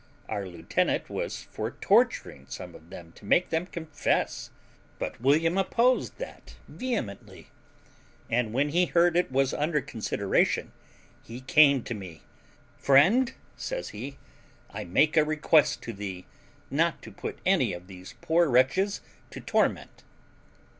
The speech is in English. Our lieutenant was for torturing some of them to make them confess, but William opposed that vehemently; and when he heard it was under consideration he came to me. "Friend," says he, "I make a request to thee not to put any of these poor wretches to torment."